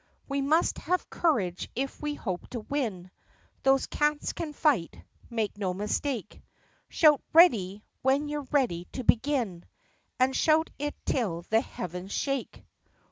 "We must have courage if we hope to win. Those cats can fight, make no mistake. Shout 'Ready !' when you 're ready to begin And shout it till the heavens shake!"